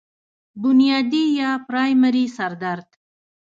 بنيادي يا پرائمري سر درد